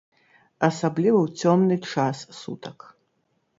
Асабліва ў цёмны час сутак.